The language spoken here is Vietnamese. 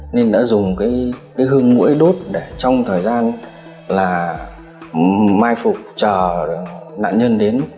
nên đã dùng cái hương mũi đốt để trong thời gian là mai phục chờ nạn nhân đến